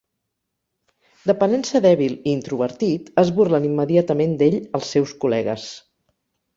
D'aparença dèbil i introvertit, es burlen immediatament d'ell els seus col·legues.